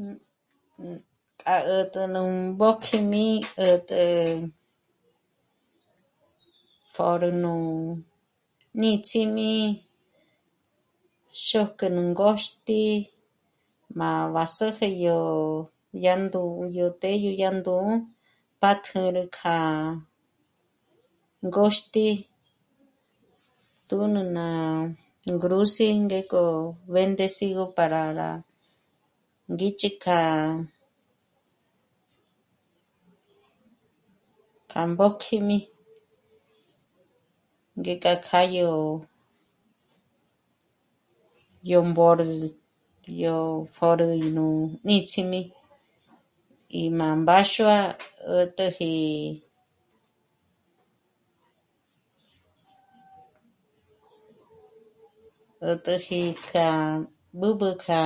Nú... k'a 'ä̀t'ä nú mbójkjím'i 'ä̀t'ä pjôrü nú níts'ím'i xôk'ü nú ngôxt'i má b'á sä̌jä yó... yá ndú'u yó të́'ë yó yá ndú'u 'ó pátjü rú kjâ'a ngôxt'i tùn'u ná ngrús'i ngék'o bendecígö para rá ngích'i k'a, k'a mbójkjím'i ngék'a kjâdyo, yó mbôrü, yó pjôrü nú níts'im'i í má mbáxua 'ä̀t'äji, ä̀t'äji kja b'ǚb'ü kja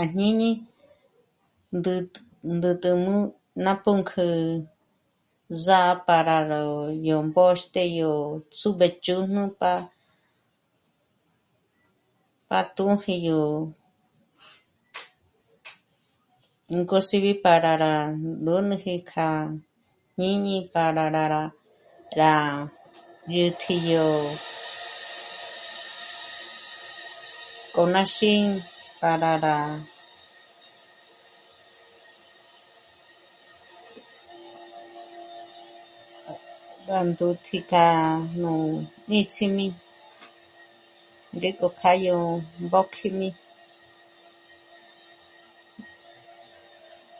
à jñíñi ndä̌t', ndä̌t'äjmú ná pǔnk'ü zà'a para yó mbóxt'e, yó súb'échjǔn'u pa, pa túji yó ngôs'ibi para rá ndónoji k'a jñíñi para rá, rá dyä̀tji yó k'o nà xî'i para rá... gá ndǔtji k'a nú níts'im'i ngék'o kjâdyo mbójkjím'i